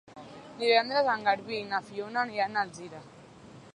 Divendres en Garbí i na Fiona aniran a Alzira.